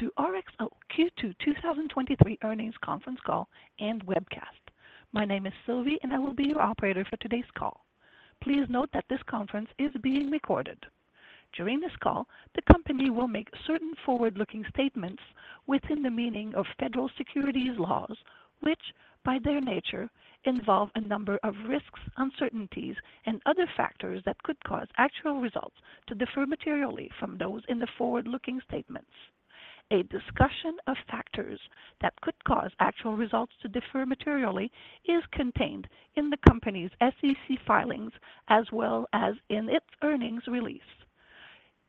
Welcome to RXO Q2 2023 earnings conference call and webcast. My name is Sylvie, and I will be your operator for today's call. Please note that this conference is being recorded. During this call, the company will make certain forward-looking statements within the meaning of federal securities laws, which, by their nature, involve a number of risks, uncertainties, and other factors that could cause actual results to differ materially from those in the forward-looking statements. A discussion of factors that could cause actual results to differ materially is contained in the company's SEC filings, as well as in its earnings release.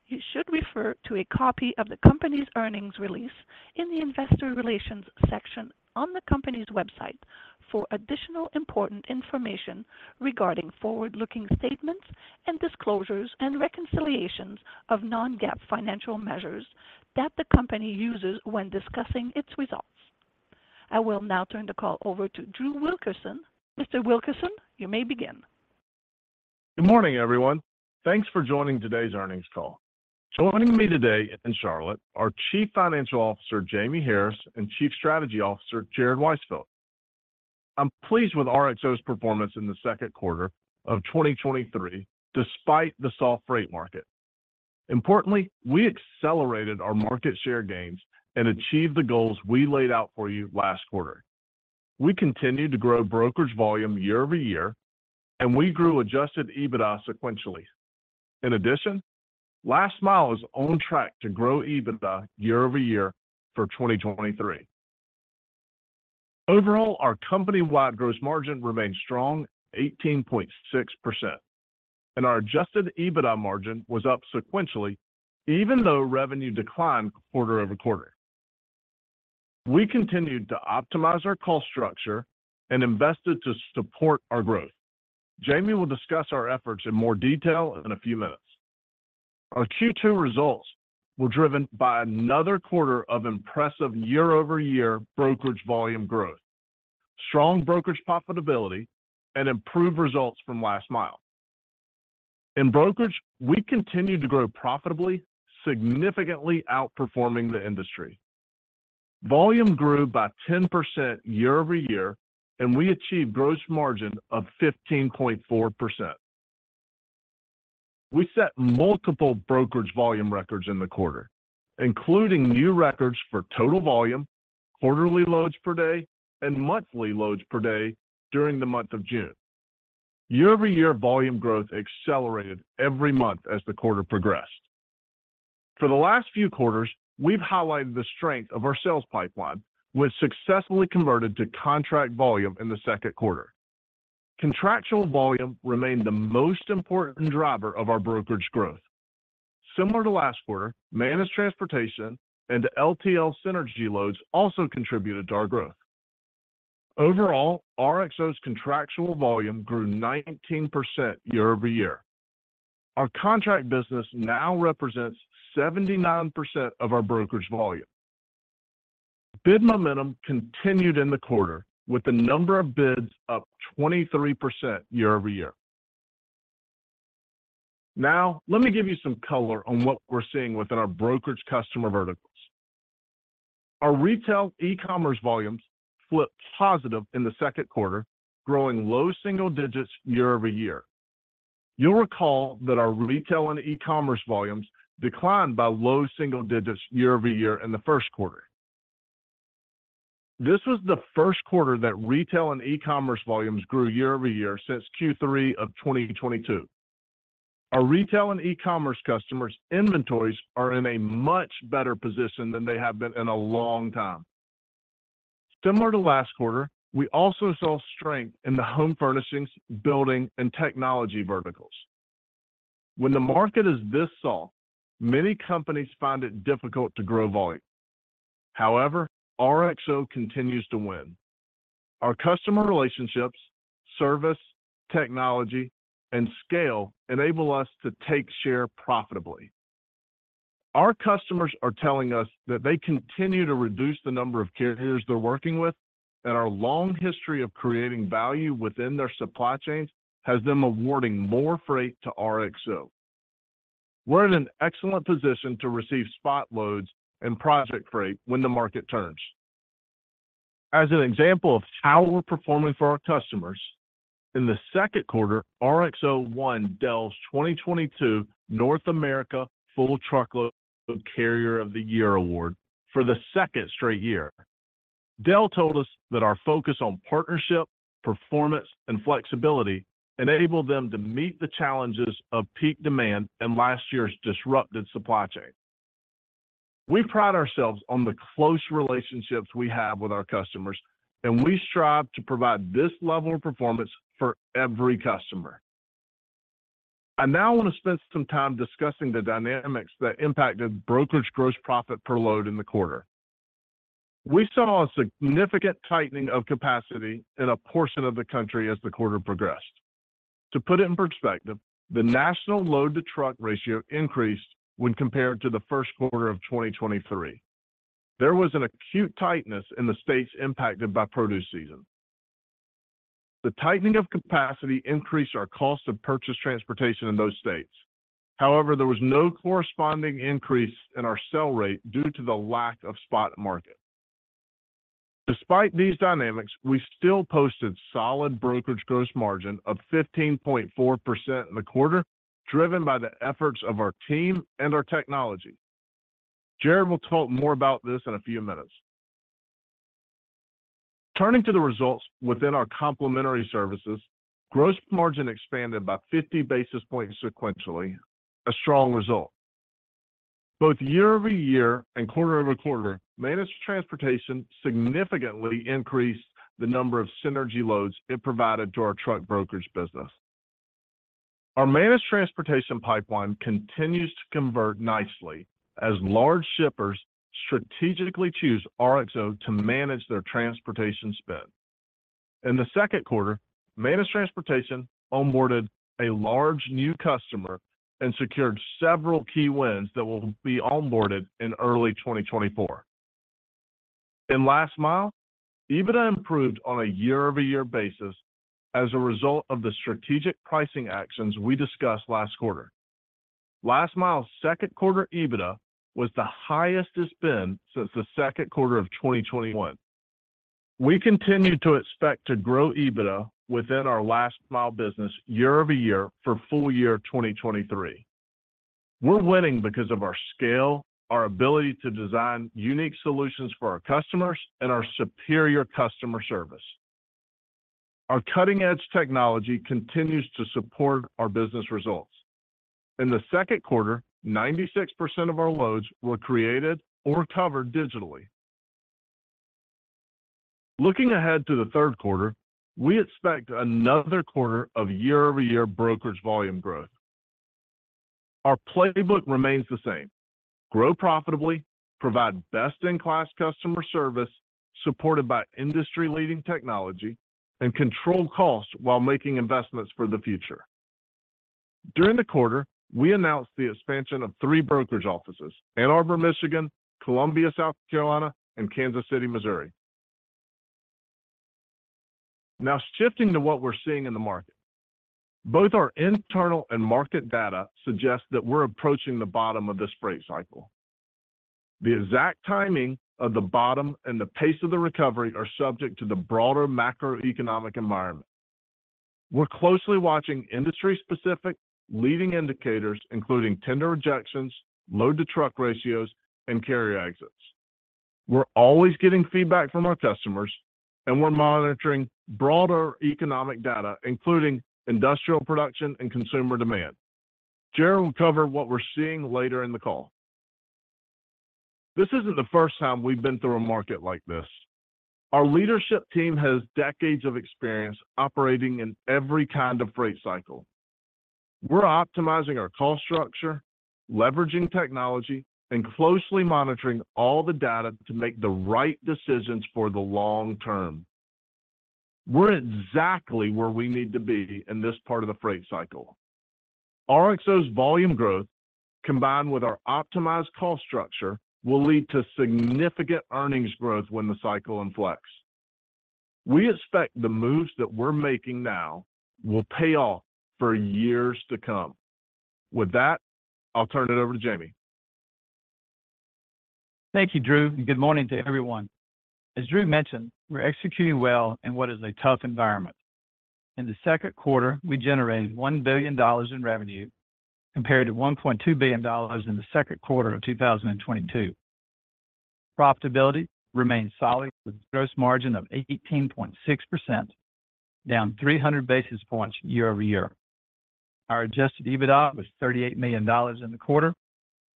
You should refer to a copy of the company's earnings release in the Investor Relations section on the company's website for additional important information regarding forward-looking statements and disclosures and reconciliations of non-GAAP financial measures that the company uses when discussing its results. I will now turn the call over to Drew Wilkerson. Mr. Wilkerson, you may begin. Good morning, everyone. Thanks for joining today's earnings call. Joining me today in Charlotte are Chief Financial Officer, Jamie Harris, and Chief Strategy Officer, Jared Weisfeld. I'm pleased with RXO's performance in the second quarter of 2023, despite the soft freight market. Importantly, we accelerated our market share gains and achieved the goals we laid out for you last quarter. We continued to grow brokerage volume year-over-year, and we grew adjusted EBITDA sequentially. In addition, Last Mile is on track to grow EBITDA year-over-year for 2023. Overall, our company-wide gross margin remained strong, 18.6%, and our adjusted EBITDA margin was up sequentially, even though revenue declined quarter-over-quarter. We continued to optimize our cost structure and invested to support our growth. Jamie will discuss our efforts in more detail in a few minutes. Our Q2 results were driven by another quarter of impressive year-over-year brokerage volume growth, strong brokerage profitability, and improved results from Last Mile. In brokerage, we continued to grow profitably, significantly outperforming the industry. Volume grew by 10% year-over-year, and we achieved gross margin of 15.4%. We set multiple brokerage volume records in the quarter, including new records for total volume, quarterly loads per day, and monthly loads per day during the month of June. Year-over-year volume growth accelerated every month as the quarter progressed. For the last few quarters, we've highlighted the strength of our sales pipeline, which successfully converted to contract volume in the second quarter. Contractual volume remained the most important driver of our brokerage growth. Similar to last quarter, Managed Transportation and LTL synergy loads also contributed to our growth. Overall, RXO's contractual volume grew 19% year-over-year. Our contract business now represents 79% of our brokerage volume. Bid momentum continued in the quarter, with the number of bids up 23% year-over-year. Let me give you some color on what we're seeing within our brokerage customer verticals. Our retail-ecommerce volumes flipped positive in the second quarter, growing low single digits year-over-year. You'll recall that our retail and e-commerce volumes declined by low single digits year-over-year in the first quarter. This was the first quarter that retail and e-commerce volumes grew year-over-year since Q3 of 2022. Our retail and e-commerce customers' inventories are in a much better position than they have been in a long time. Similar to last quarter, we also saw strength in the home furnishings, building, and technology verticals. When the market is this soft, many companies find it difficult to grow volume. However, RXO continues to win. Our customer relationships, service, technology, and scale enable us to take share profitably. Our customers are telling us that they continue to reduce the number of carriers they're working with, and our long history of creating value within their supply chains has them awarding more freight to RXO. We're in an excellent position to receive spot loads and project freight when the market turns. As an example of how we're performing for our customers, in the second quarter, RXO won Dell's 2022 North America Full Truckload Carrier of the Year award for the second straight year. Dell told us that our focus on partnership, performance, and flexibility enabled them to meet the challenges of peak demand and last year's disrupted supply chain. We pride ourselves on the close relationships we have with our customers, and we strive to provide this level of performance for every customer. I now want to spend some time discussing the dynamics that impacted brokerage gross profit per load in the quarter. We saw a significant tightening of capacity in a portion of the country as the quarter progressed. To put it in perspective, the national load-to-truck ratio increased when compared to the first quarter of 2023. There was an acute tightness in the states impacted by produce season.... However, the tightening of capacity increased our cost of purchased transportation in those states. There was no corresponding increase in our sell rate due to the lack of spot market. Despite these dynamics, we still posted solid brokerage gross margin of 15.4% in the quarter, driven by the efforts of our team and our technology. Jared will talk more about this in a few minutes. Turning to the results within our complementary services, gross margin expanded by 50 basis points sequentially, a strong result. Both year-over-year and quarter-over-quarter, Managed Transportation significantly increased the number of synergy loads it provided to our truck brokerage business. Our Managed Transportation pipeline continues to convert nicely as large shippers strategically choose RXO to manage their transportation spend. In the second quarter, Managed Transportation onboarded a large new customer and secured several key wins that will be onboarded in early 2024. In Last Mile, EBITDA improved on a year-over-year basis as a result of the strategic pricing actions we discussed last quarter. Last Mile's second quarter EBITDA was the highest it's been since the second quarter of 2021. We continue to expect to grow EBITDA within our Last Mile business year-over-year for full year 2023. We're winning because of our scale, our ability to design unique solutions for our customers, and our superior customer service. Our cutting-edge technology continues to support our business results. In the second quarter, 96% of our loads were created or covered digitally. Looking ahead to the third quarter, we expect another quarter of year-over-year brokerage volume growth. Our playbook remains the same: grow profitably, provide best-in-class customer service supported by industry-leading technology, and control costs while making investments for the future. During the quarter, we announced the expansion of three brokerage offices: Ann Arbor, Michigan, Columbia, South Carolina, and Kansas City, Missouri. Now, shifting to what we're seeing in the market. Both our internal and market data suggest that we're approaching the bottom of this freight cycle. The exact timing of the bottom and the pace of the recovery are subject to the broader macroeconomic environment. We're closely watching industry-specific leading indicators, including tender rejections, load-to-truck ratios, and carrier exits. We're always getting feedback from our customers, and we're monitoring broader economic data, including industrial production and consumer demand. Jared will cover what we're seeing later in the call. This isn't the first time we've been through a market like this. Our leadership team has decades of experience operating in every kind of freight cycle. We're optimizing our cost structure, leveraging technology, and closely monitoring all the data to make the right decisions for the long term. We're exactly where we need to be in this part of the freight cycle. RXO's volume growth, combined with our optimized cost structure, will lead to significant earnings growth when the cycle inflex. We expect the moves that we're making now will pay off for years to come. With that, I'll turn it over to Jamie. Thank you, Drew. Good morning to everyone. As Drew mentioned, we're executing well in what is a tough environment. In the second quarter, we generated $1 billion in revenue, compared to $1.2 billion in the second quarter of 2022. Profitability remains solid, with a gross margin of 18.6%, down 300 basis points year-over-year. Our adjusted EBITDA was $38 million in the quarter,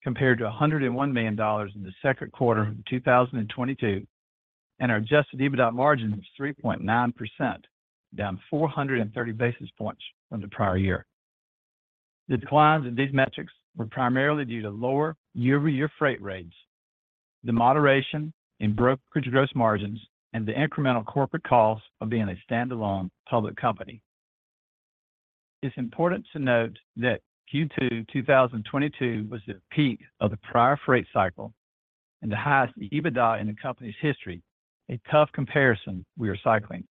compared to $101 million in the second quarter of 2022, and our adjusted EBITDA margin was 3.9%, down 430 basis points from the prior year. The declines in these metrics were primarily due to lower year-over-year freight rates, the moderation in brokerage gross margins, and the incremental corporate costs of being a standalone public company. It's important to note that Q2 2022 was the peak of the prior freight cycle and the highest EBITDA in the company's history, a tough comparison we are cycling.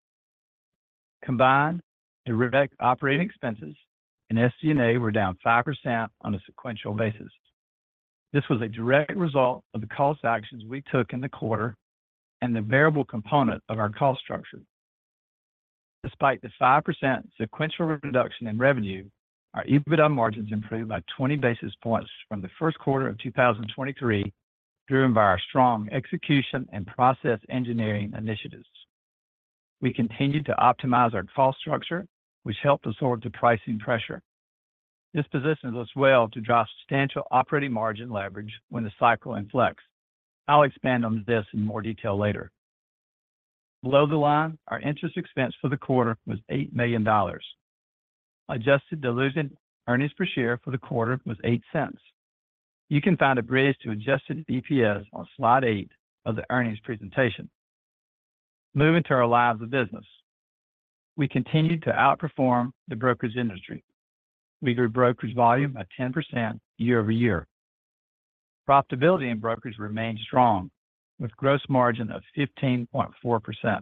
Combined, operating expenses and SG&A were down 5% on a sequential basis. This was a direct result of the cost actions we took in the quarter and the variable component of our cost structure. Despite the 5% sequential reduction in revenue, our EBITDA margins improved by 20 basis points from the first quarter of 2023, driven by our strong execution and process engineering initiatives. We continued to optimize our cost structure, which helped absorb the pricing pressure. This positions us well to drive substantial operating margin leverage when the cycle inflex. I'll expand on this in more detail later. Below the line, our interest expense for the quarter was $8 million. Adjusted dilution earnings per share for the quarter was $0.08. You can find a bridge to adjusted EPS on slide eight of the earnings presentation. Moving to our lines of business. We continued to outperform the brokerage industry. We grew brokerage volume by 10% year-over-year. Profitability in brokerage remained strong, with gross margin of 15.4%.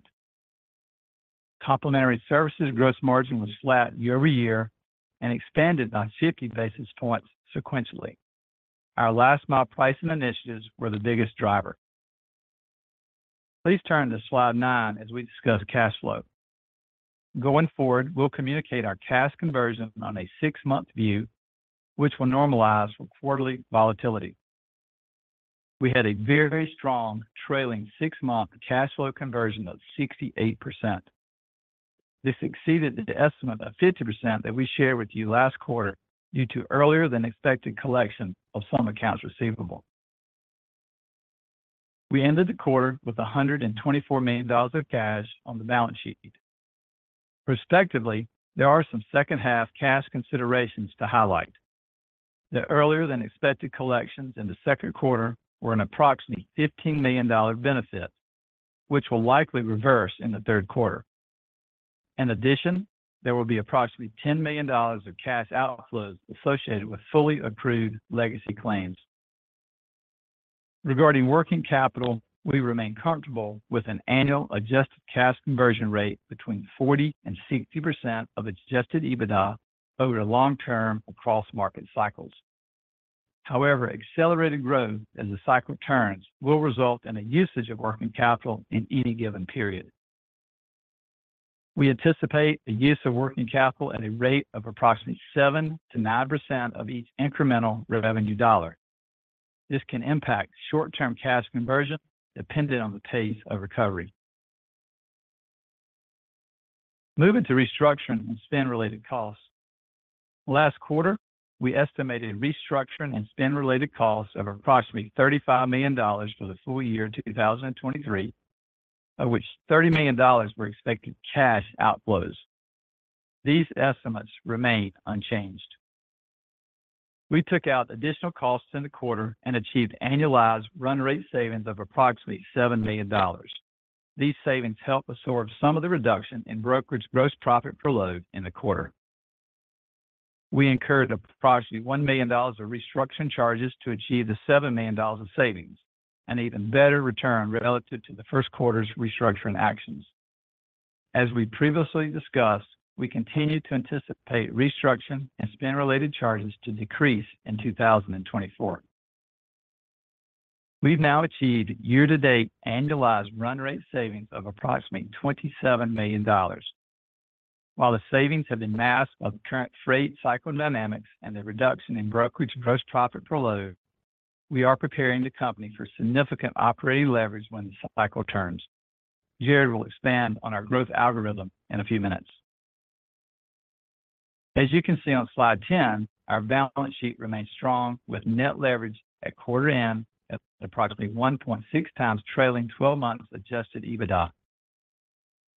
Complementary services gross margin was flat year-over-year and expanded by 50 basis points sequentially. Our Last Mile pricing initiatives were the biggest driver. Please turn to slide nine as we discuss cash flow. Going forward, we'll communicate our cash conversion on a six-month view, which will normalize with quarterly volatility. We had a very strong trailing six-month cash flow conversion of 68%. This exceeded the estimate of 50% that we shared with you last quarter, due to earlier than expected collection of some accounts receivable. We ended the quarter with $124 million of cash on the balance sheet. Prospectively, there are some second-half cash considerations to highlight. The earlier than expected collections in the second quarter were an approximately $15 million benefit, which will likely reverse in the third quarter. In addition, there will be approximately $10 million of cash outflows associated with fully approved legacy claims. Regarding working capital, we remain comfortable with an annual adjusted cash conversion rate between 40% and 60% of adjusted EBITDA over the long term across market cycles. However, accelerated growth as the cycle turns, will result in a usage of working capital in any given period. We anticipate the use of working capital at a rate of approximately 7%-9% of each incremental revenue dollar. This can impact short-term cash conversion, depending on the pace of recovery. Moving to restructuring and spend-related costs. Last quarter, we estimated restructuring and spend-related costs of approximately $35 million for the full year 2023, of which $30 million were expected cash outflows. These estimates remain unchanged. We took out additional costs in the quarter and achieved annualized run rate savings of approximately $7 million. These savings help absorb some of the reduction in brokerage gross profit per load in the quarter. We incurred approximately $1 million of restructuring charges to achieve the $7 million in savings, an even better return relative to the first quarter's restructuring actions. As we previously discussed, we continue to anticipate restructure and spend-related charges to decrease in 2024. We've now achieved year-to-date annualized run rate savings of approximately $27 million. While the savings have been masked by the current freight cycle dynamics and the reduction in brokerage gross profit per load, we are preparing the company for significant operating leverage when the cycle turns. Jared will expand on our growth algorithm in a few minutes. As you can see on slide 10, our balance sheet remains strong, with net leverage at quarter end at approximately 1.6x trailing 12 months adjusted EBITDA.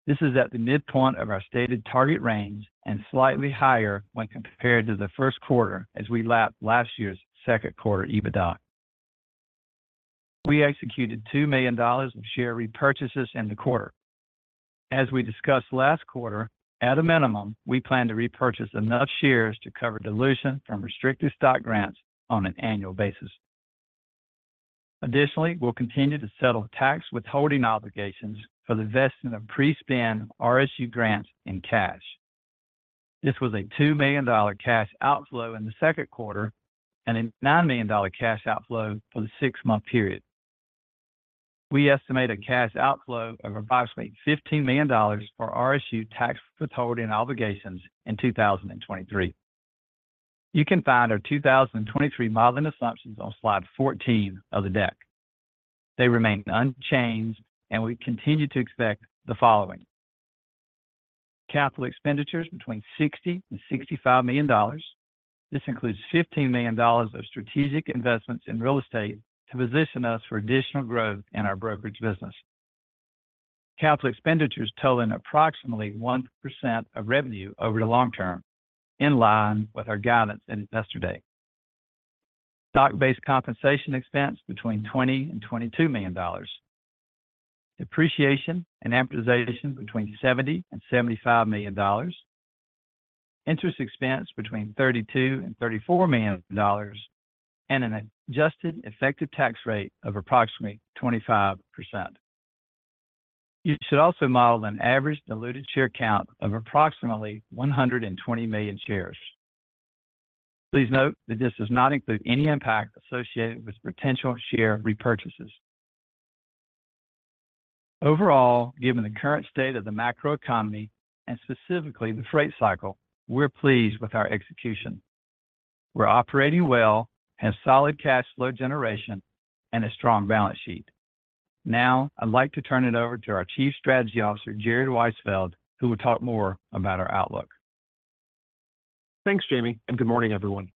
This is at the midpoint of our stated target range and slightly higher when compared to the first quarter as we lap last year's second quarter EBITDA. We executed $2 million of share repurchases in the quarter. As we discussed last quarter, at a minimum, we plan to repurchase enough shares to cover dilution from restricted stock grants on an annual basis. We'll continue to settle tax withholding obligations for the vesting of pre-spin RSU grants in cash. This was a $2 million cash outflow in the second quarter and a $9 million cash outflow for the six-month period. We estimate a cash outflow of approximately $15 million for RSU tax withholding obligations in 2023. You can find our 2023 modeling assumptions on slide 14 of the deck. They remain unchanged, we continue to expect the following: capital expenditures between $60 million-$65 million. This includes $15 million of strategic investments in real estate to position us for additional growth in our brokerage business. Capital expenditures total in approximately 1% of revenue over the long term, in line with our guidance at Investor Day. Stock-based compensation expense between $20 million-$22 million. Depreciation and amortization between $70 million-$75 million. Interest expense between $32 million-$34 million, and an adjusted effective tax rate of approximately 25%. You should also model an average diluted share count of approximately 120 million shares. Please note that this does not include any impact associated with potential share repurchases. Overall, given the current state of the macroeconomy and specifically the freight cycle, we're pleased with our execution. We're operating well, have solid cash flow generation and a strong balance sheet. I'd like to turn it over to our Chief Strategy Officer, Jared Weisfeld, who will talk more about our outlook. Thanks, Jamie. Good morning, everyone.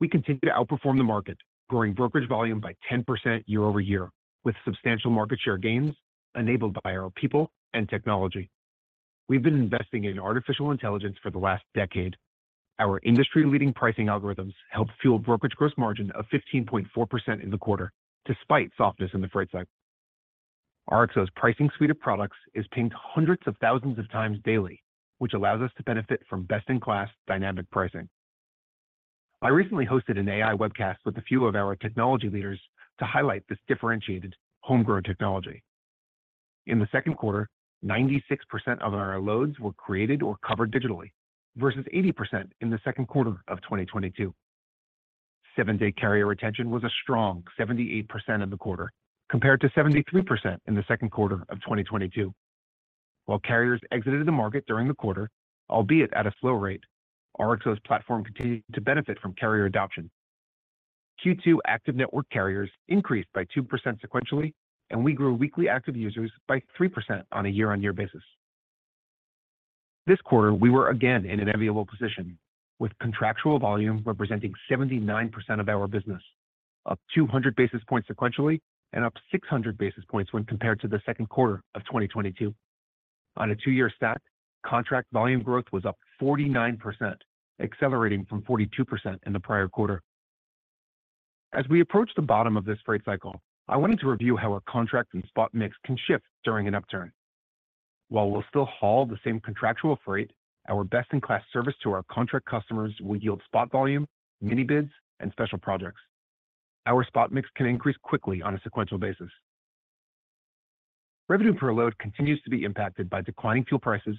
We continue to outperform the market, growing brokerage volume by 10% year-over-year, with substantial market share gains enabled by our people and technology. We've been investing in artificial intelligence for the last decade. Our industry-leading pricing algorithms helped fuel brokerage gross margin of 15.4% in the quarter, despite softness in the freight cycle. RXO's pricing suite of products is pinged hundreds of thousands of times daily, which allows us to benefit from best-in-class dynamic pricing. I recently hosted an AI webcast with a few of our technology leaders to highlight this differentiated homegrown technology. In the second quarter, 96% of our loads were created or covered digitally, versus 80% in the second quarter of 2022. Seven-day carrier retention was a strong 78% in the quarter, compared to 73% in the second quarter of 2022. While carriers exited the market during the quarter, albeit at a slow rate, RXO's platform continued to benefit from carrier adoption. Q2 active network carriers increased by 2% sequentially, and we grew weekly active users by 3% on a year-over-year basis. This quarter, we were again in an enviable position, with contractual volume representing 79% of our business, up 200 basis points sequentially, and up 600 basis points when compared to the second quarter of 2022. On a two-year stack, contract volume growth was up 49%, accelerating from 42% in the prior quarter. As we approach the bottom of this freight cycle, I wanted to review how our contract and spot mix can shift during an upturn. While we'll still haul the same contractual freight, our best-in-class service to our contract customers will yield spot volume, mini-bids, and special projects. Our spot mix can increase quickly on a sequential basis. Revenue per load continues to be impacted by declining fuel prices,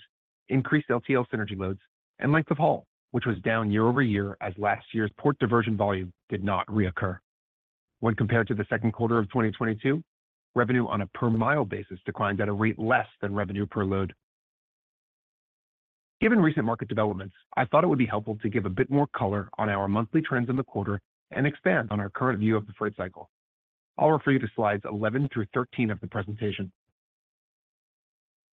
increased LTL synergy loads, and length of haul, which was down year-over-year as last year's port diversion volume did not reoccur. When compared to the second quarter of 2022, revenue on a per mile basis declined at a rate less than Revenue per load. Given recent market developments, I thought it would be helpful to give a bit more color on our monthly trends in the quarter and expand on our current view of the freight cycle. I'll refer you to slides 11 through 13 of the presentation.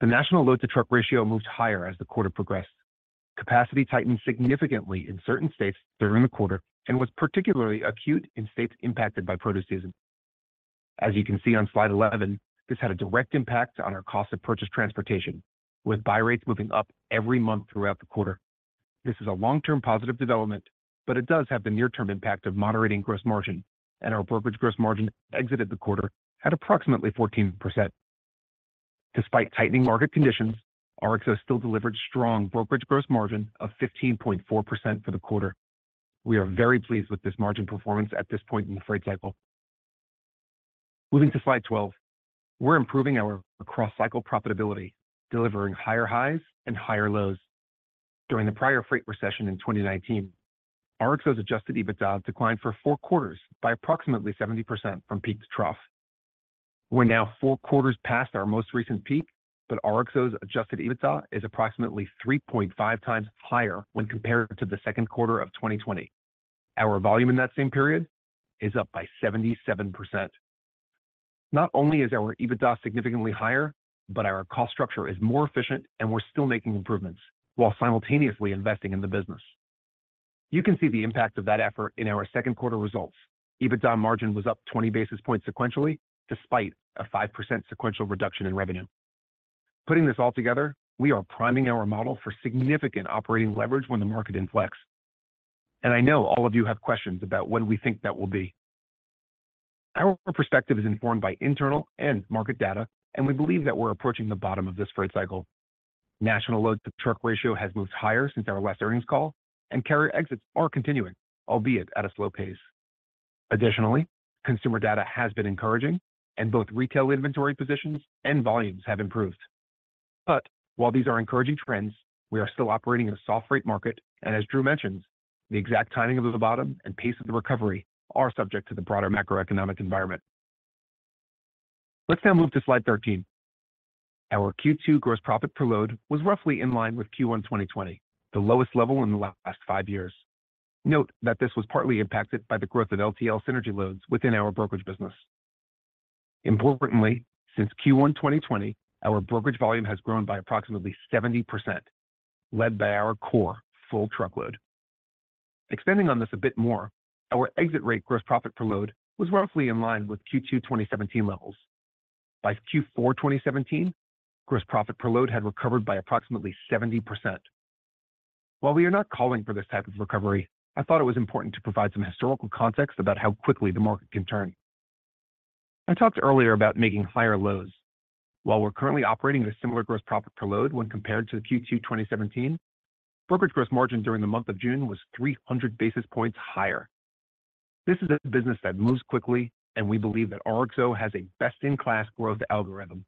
The national load-to-truck ratio moved higher as the quarter progressed. Capacity tightened significantly in certain states during the quarter and was particularly acute in states impacted by produce season. As you can see on slide 11, this had a direct impact on our cost of purchased transportation, with buy rates moving up every month throughout the quarter. This is a long-term positive development, but it does have the near-term impact of moderating gross margin, and our brokerage gross margin exited the quarter at approximately 14%. Despite tightening market conditions, RXO still delivered strong brokerage gross margin of 15.4% for the quarter. We are very pleased with this margin performance at this point in the freight cycle. Moving to slide 12. We're improving our cross-cycle profitability, delivering higher highs and higher lows. During the prior freight recession in 2019, RXO's adjusted EBITDA declined for four quarters by approximately 70% from peak to trough. We're now 4 quarters past our most recent peak, RXO's adjusted EBITDA is approximately 3.5x higher when compared to the second quarter of 2020. Our volume in that same period is up by 77%. Not only is our EBITDA significantly higher, but our cost structure is more efficient, and we're still making improvements while simultaneously investing in the business. You can see the impact of that effort in our second quarter results. EBITDA margin was up 20 basis points sequentially, despite a 5% sequential reduction in revenue. Putting this all together, we are priming our model for significant operating leverage when the market inflex. I know all of you have questions about when we think that will be. Our perspective is informed by internal and market data, and we believe that we're approaching the bottom of this freight cycle. National load-to-truck ratio has moved higher since our last earnings call, and carrier exits are continuing, albeit at a slow pace. Additionally, consumer data has been encouraging, and both retail inventory positions and volumes have improved. While these are encouraging trends, we are still operating in a soft freight market, and as Drew mentioned, the exact timing of the bottom and pace of the recovery are subject to the broader macroeconomic environment. Let's now move to slide 13. Our Q2 gross profit per load was roughly in line with Q1 2020, the lowest level in the last 5 years. Note that this was partly impacted by the growth of LTL synergy loads within our brokerage business. Importantly, since Q1 2020, our brokerage volume has grown by approximately 70%, led by our core full truckload. Expanding on this a bit more, our exit rate gross profit per load was roughly in line with Q2 2017 levels. By Q4 2017, gross profit per load had recovered by approximately 70%. While we are not calling for this type of recovery, I thought it was important to provide some historical context about how quickly the market can turn. I talked earlier about making higher lows. While we're currently operating at a similar gross profit per load when compared to the Q2 2017, brokerage gross margin during the month of June was 300 basis points higher. This is a business that moves quickly, and we believe that RXO has a best-in-class growth algorithm.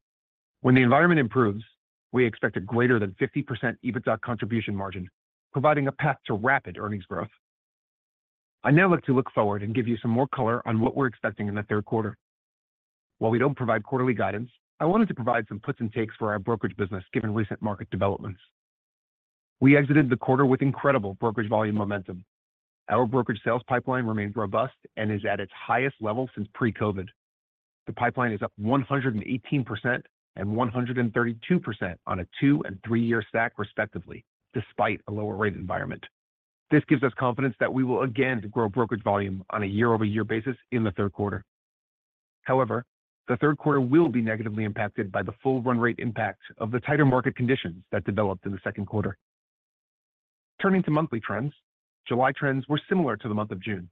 When the environment improves, we expect a greater than 50% EBITDA contribution margin, providing a path to rapid earnings growth. I now look to look forward and give you some more color on what we're expecting in the third quarter. While we don't provide quarterly guidance, I wanted to provide some puts and takes for our brokerage business, given recent market developments. We exited the quarter with incredible brokerage volume momentum. Our brokerage sales pipeline remains robust and is at its highest level since pre-COVID. The pipeline is up 118% and 132% on a 2- and 3-year stack, respectively, despite a lower rate environment. This gives us confidence that we will again grow brokerage volume on a year-over-year basis in the third quarter. However, the third quarter will be negatively impacted by the full run rate impact of the tighter market conditions that developed in the second quarter.... Turning to monthly trends, July trends were similar to the month of June.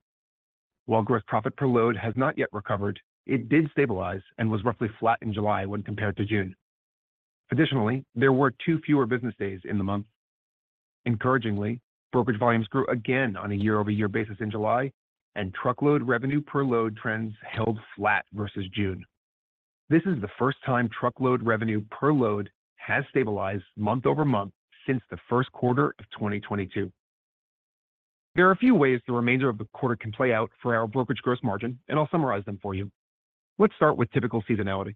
While Gross Profit per Load has not yet recovered, it did stabilize and was roughly flat in July when compared to June. Additionally, there were 2 fewer business days in the month. Encouragingly, brokerage volumes grew again on a year-over-year basis in July, and truckload revenue per load trends held flat versus June. This is the 1st time truckload revenue per load has stabilized month-over-month since the 1st quarter of 2022. There are a few ways the remainder of the quarter can play out for our brokerage Gross Margin, and I'll summarize them for you. Let's start with typical seasonality.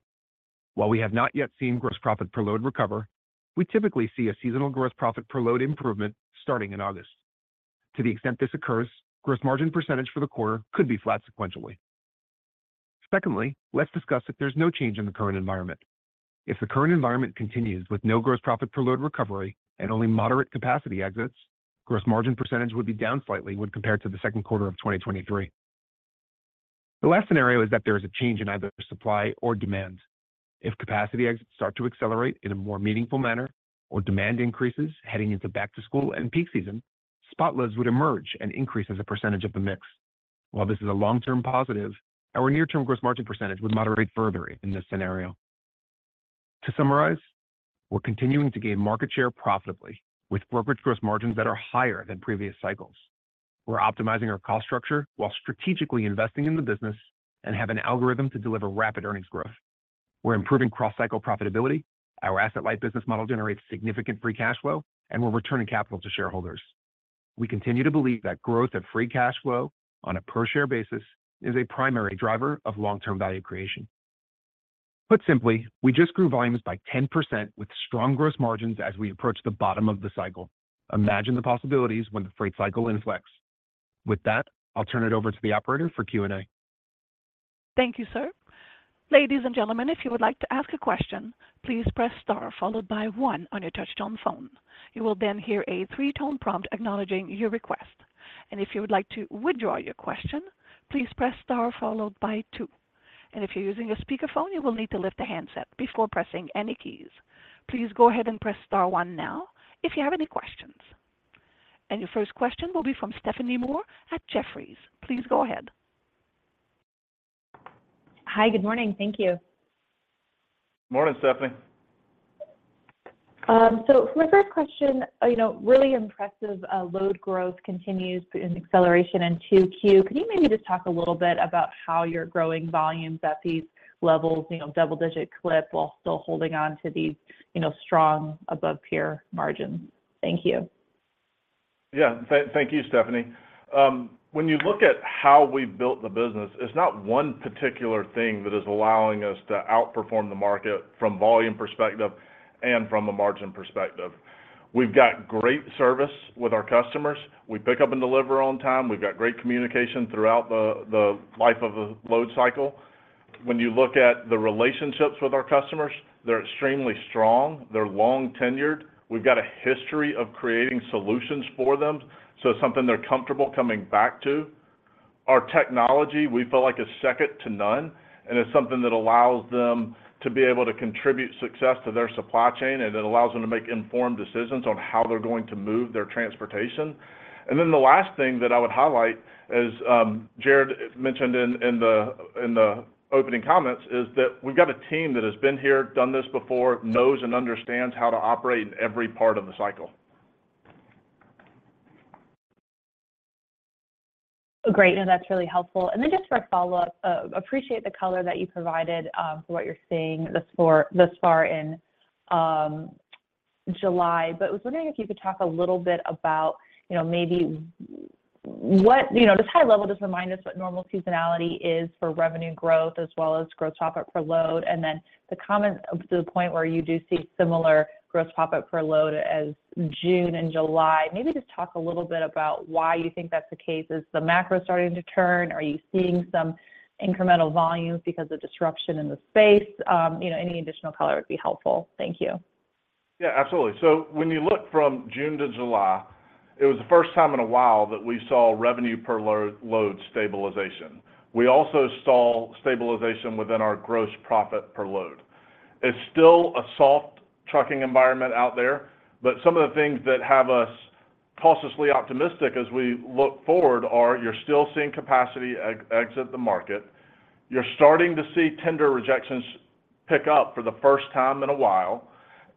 While we have not yet seen Gross Profit per Load recover, we typically see a seasonal Gross Profit per Load improvement starting in August. To the extent this occurs, Gross Margin percentage for the quarter could be flat sequentially. Secondly, let's discuss if there's no change in the current environment. If the current environment continues with no gross profit per load recovery and only moderate capacity exits, gross margin % would be down slightly when compared to the second quarter of 2023. The last scenario is that there is a change in either supply or demand. If capacity exits start to accelerate in a more meaningful manner or demand increases heading into back to school and peak season, spot loads would emerge and increase as a % of the mix. While this is a long-term positive, our near-term gross margin % would moderate further in this scenario. To summarize, we're continuing to gain market share profitably with brokerage gross margins that are higher than previous cycles. We're optimizing our cost structure while strategically investing in the business and have an algorithm to deliver rapid earnings growth. We're improving cross-cycle profitability. Our asset-light business model generates significant free cash flow, and we're returning capital to shareholders. We continue to believe that growth of free cash flow on a per share basis is a primary driver of long-term value creation. Put simply, we just grew volumes by 10% with strong gross margins as we approach the bottom of the cycle. Imagine the possibilities when the freight cycle inflects. With that, I'll turn it over to the operator for Q&A. Thank you, sir. Ladies and gentlemen, if you would like to ask a question, please press star followed by 1 on your touchtone phone. You will then hear a 3-tone prompt acknowledging your request. If you would like to withdraw your question, please press star followed by 2. If you're using a speakerphone, you will need to lift the handset before pressing any keys. Please go ahead and press star 1 now if you have any questions. Your first question will be from Stephanie Moore at Jefferies. Please go ahead. Hi, good morning. Thank you. Morning, Stephanie. For my first question, you know, really impressive, load growth continues in acceleration in 2Q. Could you maybe just talk a little bit about how you're growing volumes at these levels, you know, double-digit clip, while still holding on to these, you know, strong above-peer margins? Thank you. Yeah. Thank you, Stephanie. When you look at how we built the business, it's not one particular thing that is allowing us to outperform the market from volume perspective and from a margin perspective. We've got great service with our customers. We pick up and deliver on time. We've got great communication throughout the life of a load cycle. When you look at the relationships with our customers, they're extremely strong, they're long-tenured. We've got a history of creating solutions for them, so it's something they're comfortable coming back to. Our technology, we feel like, is second to none, and it's something that allows them to be able to contribute success to their supply chain, and it allows them to make informed decisions on how they're going to move their transportation. Then the last thing that I would highlight, as Jared mentioned in, in the, in the opening comments, is that we've got a team that has been here, done this before, knows and understands how to operate in every part of the cycle. Great, that's really helpful. Then just for a follow-up, appreciate the color that you provided for what you're seeing thus far, thus far in July. I was wondering if you could talk a little bit about, you know, maybe you know, just high level, just remind us what normal seasonality is for revenue growth as well as gross profit per load, and then the comment of to the point where you do see similar gross profit per load as June and July. Maybe just talk a little bit about why you think that's the case. Is the macro starting to turn? Are you seeing some incremental volumes because of disruption in the space? You know, any additional color would be helpful. Thank you. Yeah, absolutely. When you look from June to July, it was the first time in a while that we saw revenue per load, load stabilization. We also saw stabilization within our gross profit per load. It's still a soft trucking environment out there, some of the things that have us cautiously optimistic as we look forward are: you're still seeing capacity exit the market, you're starting to see tender rejections pick up for the first time in a while,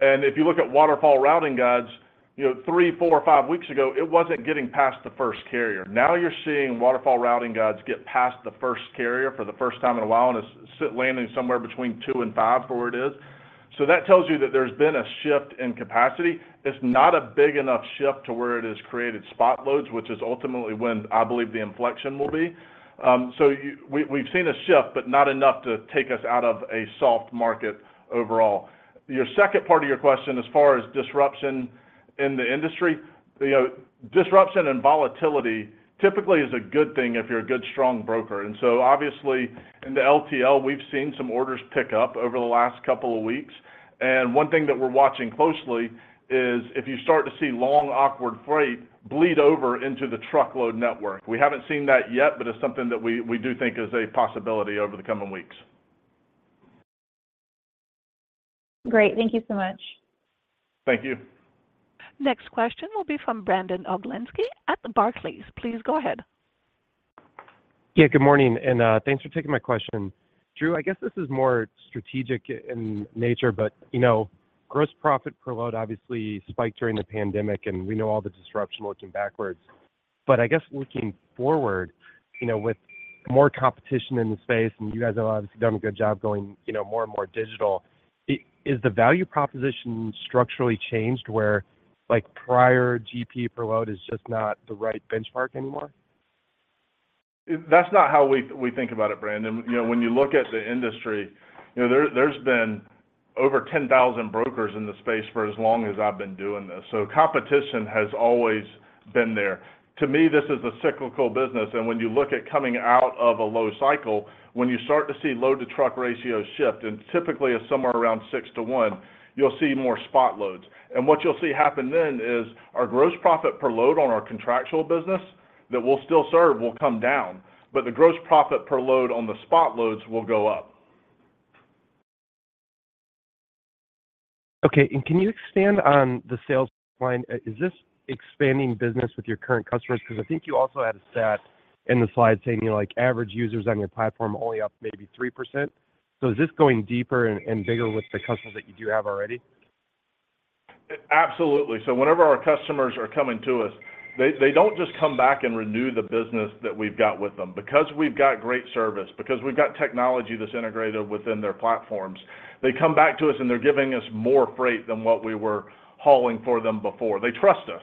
and if you look at waterfall routing guides, you know, three, four, or five weeks ago, it wasn't getting past the first carrier. You're seeing waterfall routing guides get past the first carrier for the first time in a while, and it's landing somewhere between two and five, where it is. That tells you that there's been a shift in capacity. It's not a big enough shift to where it has created spot loads, which is ultimately when I believe the inflection will be. We've seen a shift, but not enough to take us out of a soft market overall. Your second part of your question, as far as disruption in the industry, you know, disruption and volatility typically is a good thing if you're a good, strong broker. Obviously, in the LTL, we've seen some orders pick up over the last couple of weeks. One thing that we're watching closely is if you start to see long awkward freight bleed over into the truckload network. We haven't seen that yet, but it's something that we, we do think is a possibility over the coming weeks.... Great. Thank you so much. Thank you. Next question will be from Brandon Oglenski at Barclays. Please go ahead. Yeah, good morning, thanks for taking my question. Drew, I guess this is more strategic in nature, you know, gross profit per load obviously spiked during the pandemic, and we know all the disruption looking backwards. I guess looking forward, you know, with more competition in the space, and you guys have obviously done a good job going, you know, more and more digital, is the value proposition structurally changed where, like, prior GP per load is just not the right benchmark anymore? That's not how we, we think about it, Brandon. You know, when you look at the industry, you know, there, there's been over 10,000 brokers in the space for as long as I've been doing this, so competition has always been there. To me, this is a cyclical business, when you look at coming out of a low cycle, when you start to see load-to-truck ratios shift, and typically it's somewhere around 6 to 1, you'll see more spot loads. What you'll see happen then is our gross profit per load on our contractual business that we'll still serve will come down, but the gross profit per load on the spot loads will go up. Okay. Can you expand on the sales line? Is this expanding business with your current customers? 'Cause I think you also had a stat in the slide saying, you know, like, average users on your platform are only up maybe 3%. Is this going deeper and, and bigger with the customers that you do have already? Absolutely. Whenever our customers are coming to us, they, they don't just come back and renew the business that we've got with them. Because we've got great service, because we've got technology that's integrated within their platforms, they come back to us, and they're giving us more freight than what we were hauling for them before. They trust us.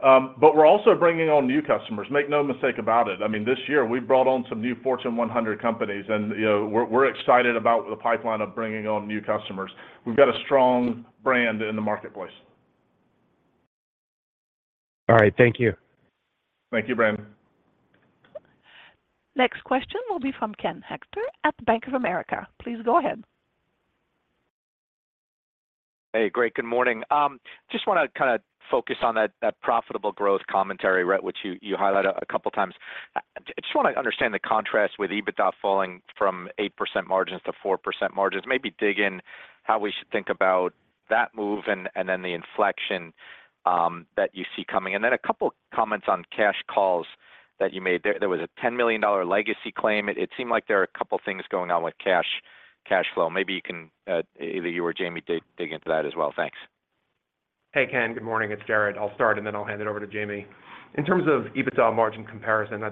We're also bringing on new customers. Make no mistake about it. I mean, this year, we've brought on some new Fortune 100 companies, and, you know, we're, we're excited about the pipeline of bringing on new customers. We've got a strong brand in the marketplace. All right. Thank you. Thank you, Brandon. Next question will be from Ken Hoexter at Bank of America. Please go ahead. Hey, great. Good morning. Just want to kind of focus on that, that profitable growth commentary, right, which you, you highlighted a couple times. I just want to understand the contrast with EBITDA falling from 8% margins to 4% margins, maybe dig in how we should think about that move and, then the inflection that you see coming. Then a couple comments on cash calls that you made. There, there was a $10 million legacy claim. It, it seemed like there are a couple things going on with cash, cash flow. Maybe you can, either you or Jamie, dig, dig into that as well. Thanks. Hey, Ken. Good morning. It's Jared. I'll start, then I'll hand it over to Jamie. In terms of EBITDA margin comparison,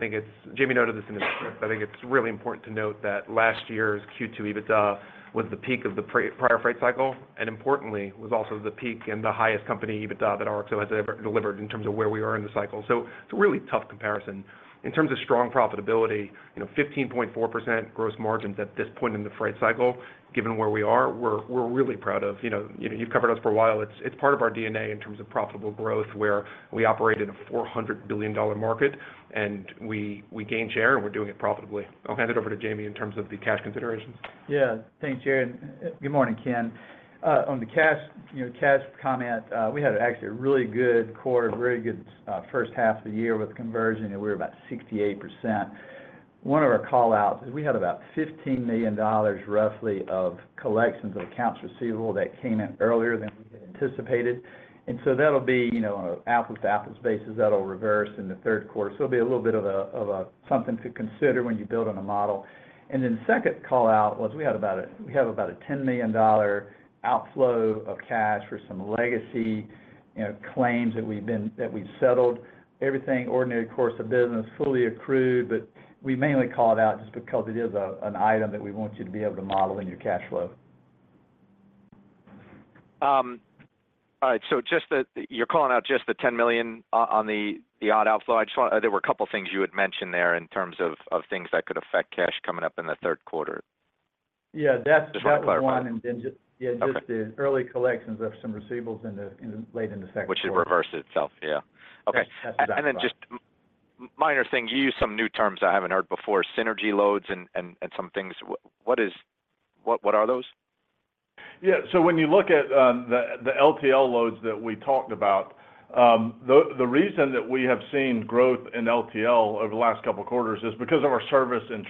Jamie noted this in his script. I think it's really important to note that last year's Q2 EBITDA was the peak of the pre- prior freight cycle, importantly, was also the peak and the highest company EBITDA that RXO has ever delivered in terms of where we are in the cycle. It's a really tough comparison. In terms of strong profitability, you know, 15.4% gross margins at this point in the freight cycle, given where we are, we're really proud of. You know, you've covered us for a while. It's part of our DNA in terms of profitable growth, where we operate in a $400 billion market, and we gain share, and we're doing it profitably. I'll hand it over to Jamie in terms of the cash considerations. Yeah. Thanks, Jared. Good morning, Ken. On the cash, you know, cash comment, we had actually a really good quarter, very good, first half of the year with conversion. We're about 68%. One of our call-outs is we had about $15 million roughly of collections of accounts receivable that came in earlier than anticipated. That'll be, you know, on an apple-to-apples basis, that'll reverse in the third quarter. It'll be a little bit of a, of a something to consider when you build on a model. The second call-out was we have about a $10 million outflow of cash for some legacy, you know, claims that we've settled. Everything ordinary course of business, fully accrued, but we mainly call it out just because it is an item that we want you to be able to model in your cash flow. All right. You're calling out just the $10 million on the odd outflow. There were a couple of things you had mentioned there in terms of things that could affect cash coming up in the third quarter. Yeah, that's- Just want to clarify. That was one, and then just- Okay. Yeah, just the early collections of some receivables in the, in late in the second quarter. Which should reverse itself. Yeah. Okay. Yes, that's right. Then just minor things, you used some new terms I haven't heard before, synergy loads and some things. What are those? Yeah, when you look at the, the LTL loads that we talked about, the, the reason that we have seen growth in LTL over the last couple of quarters is because of our service in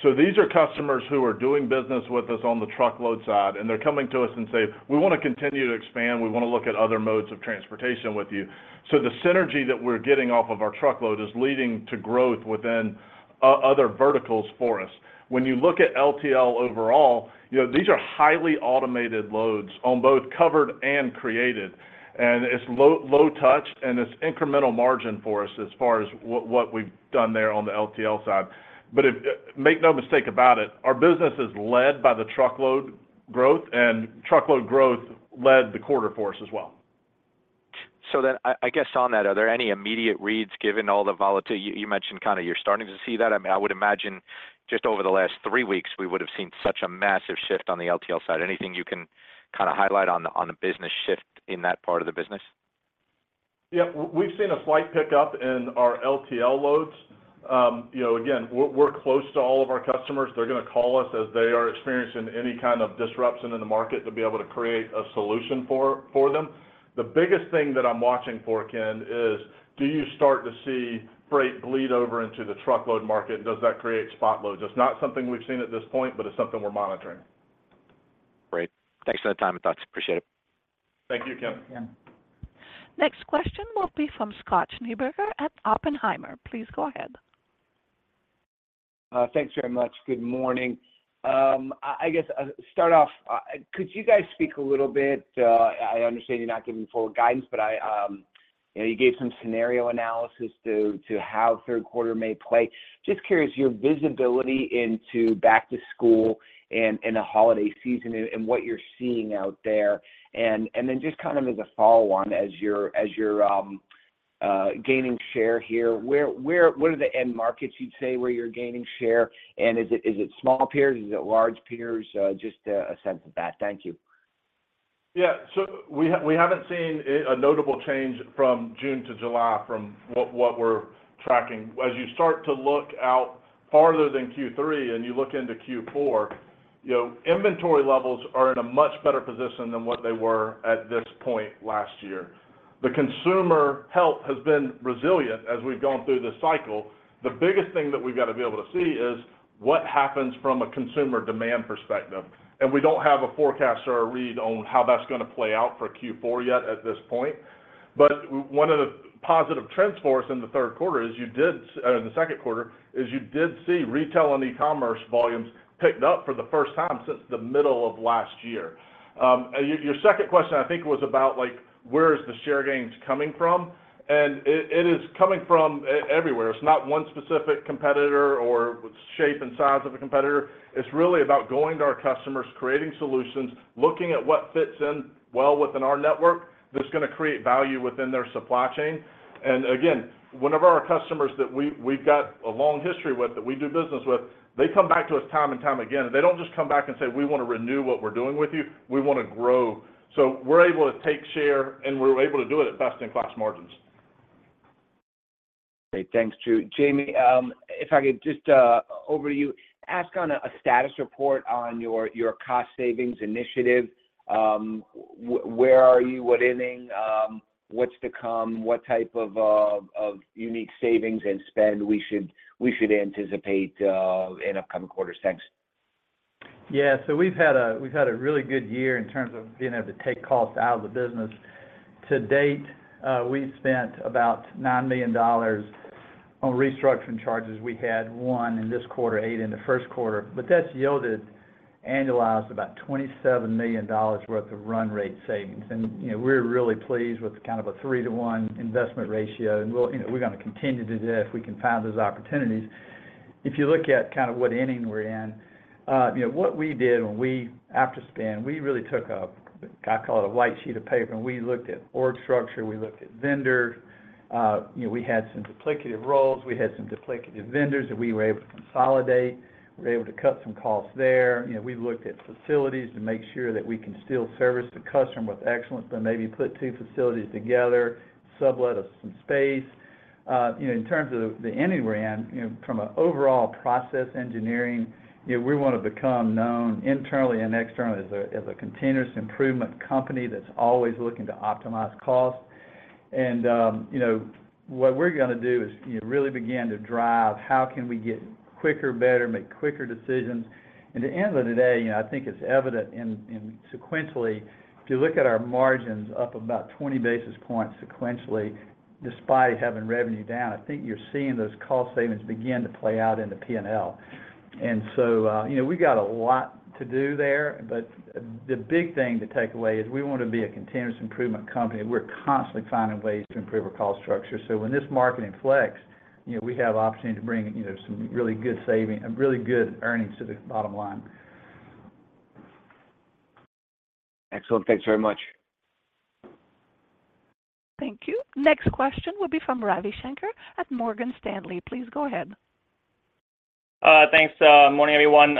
truckload. These are customers who are doing business with us on the truckload side, and they're coming to us and saying, "We want to continue to expand. We want to look at other modes of transportation with you." The synergy that we're getting off of our truckload is leading to growth within other verticals for us. When you look at LTL overall, you know, these are highly automated loads on both covered and created, and it's low touch, and it's incremental margin for us as far as what, what we've done there on the LTL side. If. Make no mistake about it, our business is led by the truckload growth. Truckload growth led the quarter for us as well. Then I, I guess on that, are there any immediate reads, given all the volatility? You, you mentioned kind of you're starting to see that. I mean, I would imagine just over the last 3 weeks, we would have seen such a massive shift on the LTL side. Anything you can kind of highlight on the, on the business shift in that part of the business? Yeah. We've seen a slight pickup in our LTL loads. You know, again, we're, we're close to all of our customers. They're going to call us as they are experiencing any kind of disruption in the market to be able to create a solution for, for them. The biggest thing that I'm watching for, Ken, is do you start to see freight bleed over into the truckload market? Does that create spot loads? It's not something we've seen at this point, but it's something we're monitoring. Great. Thanks for the time and thoughts. Appreciate it. Thank you, Ken. Yeah. Next question will be from Scott Schneeberger at Oppenheimer. Please go ahead. Thanks very much. Good morning. I, I guess I'll start off. Could you guys speak a little bit? I understand you're not giving full guidance, but I, you know, you gave some scenario analysis to, to how third quarter may play. Just curious, your visibility into back to school and the holiday season and what you're seeing out there? And then just kind of as a follow on, as you're, as you're gaining share here, where, where, what are the end markets you'd say where you're gaining share? And is it, is it small peers? Is it large peers? Just a sense of that. Thank you. We haven't seen a notable change from June to July from what we're tracking. As you start to look out farther than Q3, and you look into Q4, you know, inventory levels are in a much better position than what they were at this point last year. The consumer help has been resilient as we've gone through this cycle. The biggest thing that we've got to be able to see is what happens from a consumer demand perspective. We don't have a forecast or a read on how that's going to play out for Q4 yet at this point. One of the positive trends for us in the third quarter, in the second quarter, is you did see retail and e-commerce volumes picked up for the first time since the middle of last year. Your, your second question, I think, was about, like, where is the share gains coming from? It, it is coming from everywhere. It's not one specific competitor or shape and size of a competitor. It's really about going to our customers, creating solutions, looking at what fits in well within our network, that's going to create value within their supply chain. Again, one of our customers that we, we've got a long history with, that we do business with, they come back to us time and time again, and they don't just come back and say, "We want to renew what we're doing with you." We want to grow. We're able to take share, and we're able to do it at best-in-class margins. Great. Thanks, Drew. Jamie, if I could just over to you, ask on a status report on your cost savings initiative. Where are you? What inning? What's to come? What type of unique savings and spend we should, we should anticipate in upcoming quarters? Thanks. Yeah. We've had a really good year in terms of being able to take costs out of the business. To date, we've spent about $9 million on restructuring charges. We had one in this quarter, eight in the first quarter, that's yielded annualized about $27 million worth of run rate savings. You know, we're really pleased with kind of a three-to-one investment ratio, and we'll, you know, we're going to continue to do that if we can find those opportunities. If you look at kind of what inning we're in, you know, what we did when after spin, we really took, I call it a white sheet of paper, and we looked at org structure, we looked at vendors. You know, we had some duplicative roles, we had some duplicative vendors that we were able to consolidate. We were able to cut some costs there. You know, we looked at facilities to make sure that we can still service the customer with excellence, but maybe put two facilities together, sublet us some space. You know, in terms of the, the inning we're in, you know, from a overall process engineering, you know, we want to become known internally and externally as a, as a continuous improvement company that's always looking to optimize costs. You know, what we're going to do is, you know, really begin to drive how can we get quicker, better, make quicker decisions? At the end of the day, you know, I think it's evident in, in sequentially, if you look at our margins up about 20 basis points sequentially, despite having revenue down, I think you're seeing those cost savings begin to play out in the P&L. So, you know, we got a lot to do there, but the, the big thing to take away is we want to be a continuous improvement company. We're constantly finding ways to improve our cost structure. When this market inflects, you know, we have opportunity to bring, you know, some really good saving and really good earnings to the bottom line. Excellent. Thanks very much. Thank you. Next question will be from Ravi Shanker at Morgan Stanley. Please go ahead. Thanks, morning, everyone.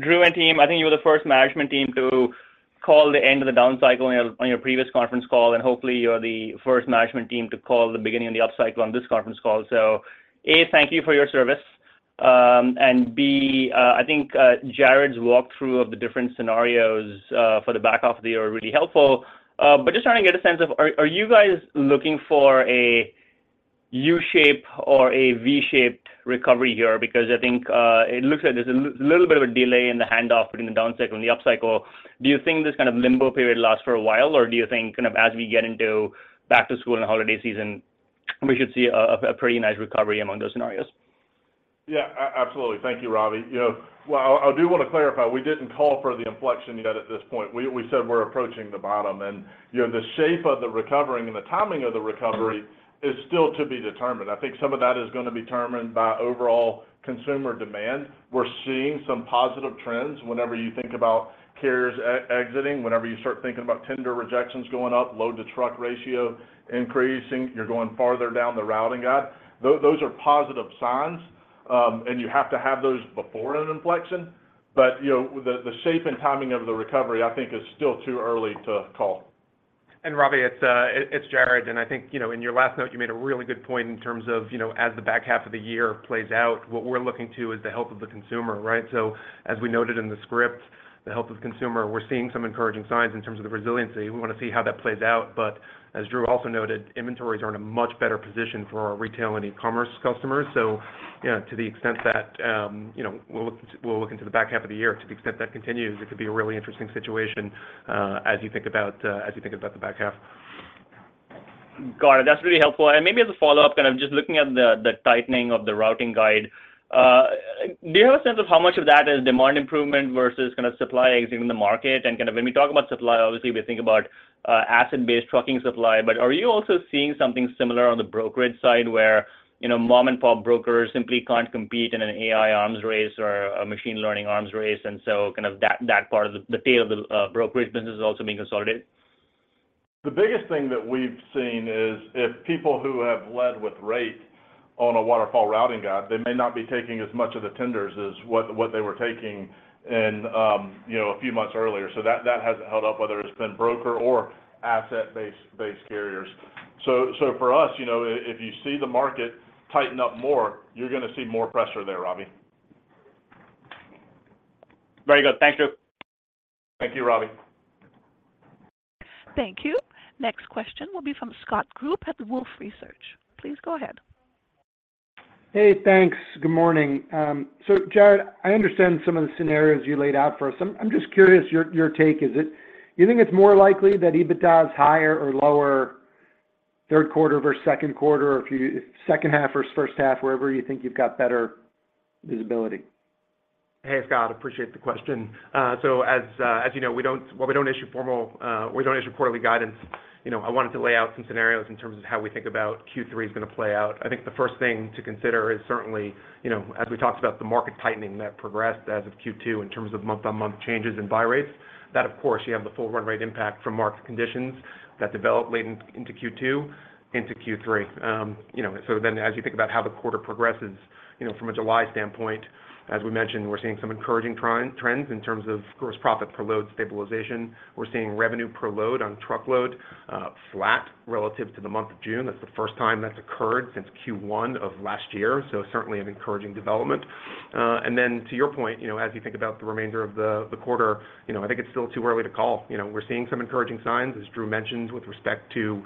Drew and team, I think you were the first management team to call the end of the down cycle on your, on your previous conference call, and hopefully you are the first management team to call the beginning of the upcycle on this conference call. A, thank you for your service. B, I think Jared's walkthrough of the different scenarios for the back half of the year are really helpful. Just trying to get a sense of, are, are you guys looking for a U-shaped or a V-shaped recovery here? Because I think it looks like there's a little bit of a delay in the handoff between the downcycle and the upcycle. Do you think this kind of limbo period lasts for a while, or do you think kind of as we get into back to school and holiday season, we should see a pretty nice recovery among those scenarios? Yeah, absolutely. Thank you, Ravi. You know, well, I, I do want to clarify, we didn't call for the inflection yet at this point. We, we said we're approaching the bottom and, you know, the shape of the recovery and the timing of the recovery is still to be determined. I think some of that is going to be determined by overall consumer demand. We're seeing some positive trends. Whenever you think about carriers exiting, whenever you start thinking about tender rejections going up, load-to-truck ratio increasing, you're going farther down the routing guide, those are positive signs, and you have to have those before an inflection. You know, the, the shape and timing of the recovery, I think is still too early to call. Ravi, it's, it's Jared, and I think, you know, in your last note, you made a really good point in terms of, you know, as the back half of the year plays out, what we're looking to is the health of the consumer, right? As we noted in the script, the health of consumer, we're seeing some encouraging signs in terms of the resiliency. We want to see how that plays out. As Drew also noted, inventories are in a much better position for our retail and e-commerce customers. Yeah, to the extent that, you know, we'll look, we'll look into the back half of the year to the extent that continues, it could be a really interesting situation, as you think about, as you think about the back half. Got it. That's really helpful. Maybe as a follow-up, kind of just looking at the tightening of the routing guide, do you have a sense of how much of that is demand improvement versus kind of supply exiting the market? Kind of when we talk about supply, obviously, we think about, asset-based trucking supply, but are you also seeing something similar on the brokerage side, where, you know, mom-and-pop brokers simply can't compete in an AI arms race or a machine learning arms race, and so kind of that, that part of the tail of the brokerage business is also being consolidated? The biggest thing that we've seen is, if people who have led with rate on a waterfall routing guide, they may not be taking as much of the tenders as what they were taking in, you know, a few months earlier. That, that hasn't held up, whether it's been broker or asset-based, based carriers. For us, you know, if you see the market tighten up more, you're going to see more pressure there, Ravi. Very good. Thank you. Thank you, Ravi. Thank you. Next question will be from Scott Group at Wolfe Research. Please go ahead. Hey, thanks. Good morning. Jared, I understand some of the scenarios you laid out for us. I'm just curious, your take, you think it's more likely that EBITDA is higher or lower third quarter versus second quarter, or Second half versus first half, wherever you think you've got better visibility? Hey, Scott, appreciate the question. As, as you know, we don't... Well, we don't issue formal, we don't issue quarterly guidance. You know, I wanted to lay out some scenarios in terms of how we think about Q3 is going to play out. I think the first thing to consider is certainly, you know, as we talked about the market tightening that progressed as of Q2 in terms of month-on-month changes in buy rates, that, of course, you have the full run rate impact from market conditions that developed late into Q2, into Q3. You know, as you think about how the quarter progresses, you know, from a July standpoint, as we mentioned, we're seeing some encouraging trends in terms of gross profit per load stabilization. We're seeing revenue per load on truckload flat relative to the month of June. That's the first time that's occurred since Q1 of last year, so certainly an encouraging development. To your point, you know, as you think about the remainder of the, the quarter, you know, I think it's still too early to call. You know, we're seeing some encouraging signs, as Drew mentioned, with respect to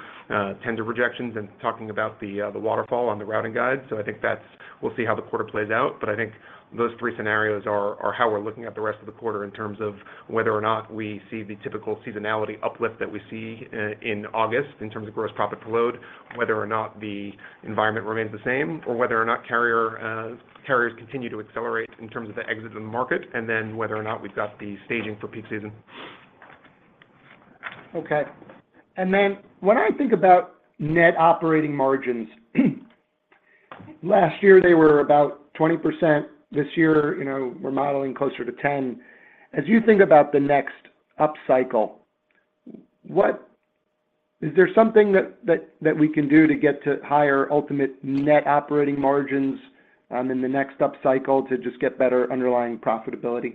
tender rejections and talking about the waterfall on the routing guide. I think that's... We'll see how the quarter plays out, but I think those three scenarios are, are how we're looking at the rest of the quarter in terms of whether or not we see the typical seasonality uplift that we see, in August in terms of gross profit per load, whether or not the environment remains the same, or whether or not carrier, carriers continue to accelerate in terms of the exit to the market, and then whether or not we've got the staging for peak season. Okay. Then when I think about net operating margins, last year, they were about 20%. This year, you know, we're modeling closer to 10%. As you think about the next upcycle, is there something that we can do to get to higher ultimate net operating margins in the next upcycle to just get better underlying profitability?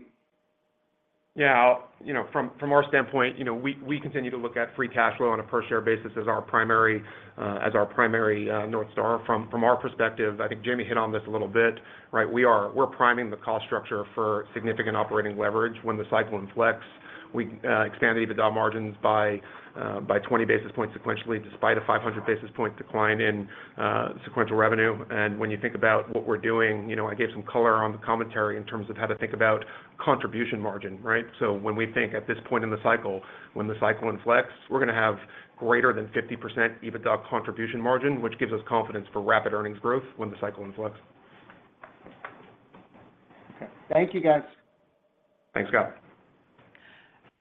Yeah, you know, from, from our standpoint, you know, we, we continue to look at free cash flow on a per share basis as our primary, as our primary, North Star. From, from our perspective, I think Jamie hit on this a little bit, right? We're priming the cost structure for significant operating leverage. When the cycle inflex, we expand the EBITDA margins by 20 basis points sequentially, despite a 500 basis point decline in sequential revenue. When you think about what we're doing, you know, I gave some color on the commentary in terms of how to think about contribution margin, right? When we think at this point in the cycle, when the cycle inflex, we're going to have greater than 50% EBITDA contribution margin, which gives us confidence for rapid earnings growth when the cycle inflex. Okay. Thank you, guys. Thanks, Scott.